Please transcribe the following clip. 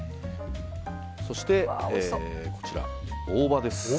そして、大葉です。